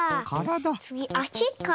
つぎあしか。